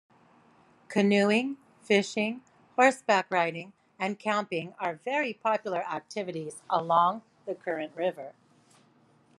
Canoeing, fishing, horseback riding, and camping are very popular activities along the Current River.